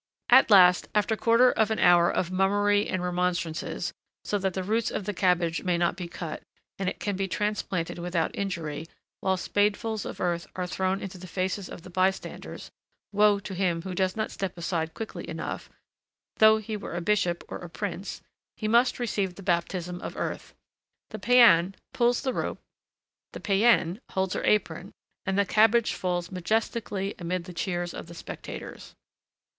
At last, after quarter of an hour of mummery and remonstrances, so that the roots of the cabbage may not be cut and it can be transplanted without injury, while spadefuls of earth are thrown into the faces of the bystanders, woe to him who does not step aside quickly enough; though he were a bishop or a prince, he must receive the baptism of earth, the païen pulls the rope, the païenne holds her apron, and the cabbage falls majestically amid the cheers of the spectators.